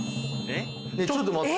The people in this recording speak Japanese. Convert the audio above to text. ちょっと待って。